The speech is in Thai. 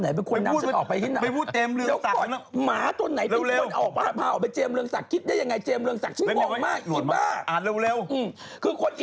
อาจารย์เอกไปไหนแล้วล่ะ